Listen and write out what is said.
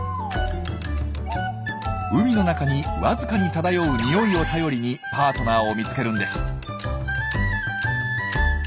海の中にわずかに漂う匂いを頼りにパートナーを見つけるんです。